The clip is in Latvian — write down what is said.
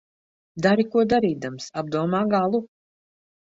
Dari ko darīdams, apdomā galu.